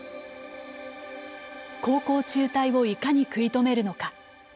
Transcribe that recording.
高校中退をいかに食い止めるのか。